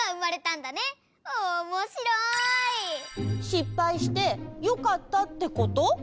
しっぱいしてよかったってこと？